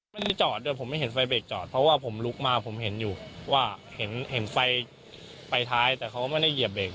ไม่ได้จอดด้วยผมไม่เห็นไฟเบรกจอดเพราะว่าผมลุกมาผมเห็นอยู่ว่าเห็นไฟไปท้ายแต่เขาก็ไม่ได้เหยียบเบรก